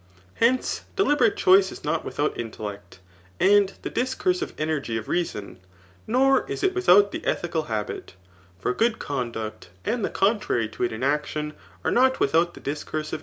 Hence, deliberate choice is not without intellect, and the discursive energy of reason ; nor is it without the ethical habit; for good conduct, and the contrary to it in action, are not without the dis cursive enjergy of reason and manner*.